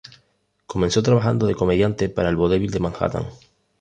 Comenzó trabajando de comediante para el vodevil de Manhattan.